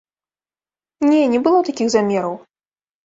Не, не было такіх замераў!